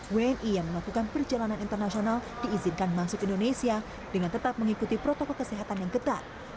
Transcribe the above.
wni yang melakukan perjalanan internasional diizinkan masuk indonesia dengan tetap mengikuti protokol kesehatan yang ketat